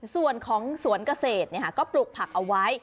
ส่วนของสวนเกษตรก็ปลูกผักเอาไว้